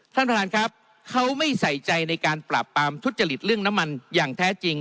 ท่านประธานครับเขาไม่ใส่ใจในการปราบปรามทุจริตเรื่องน้ำมันอย่างแท้จริง